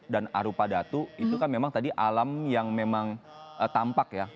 arupa datu itu kan memang tadi alam yang memang tampak ya